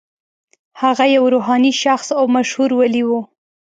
هغه یو روحاني شخص او مشهور ولي و.